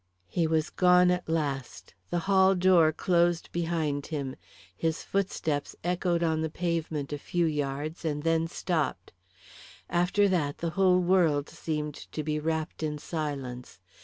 He was gone at last; the hall door closed behind him. His footsteps echoed on the pavement a few yards and then stopped. After that the whole world seemed to be wrapped in silence.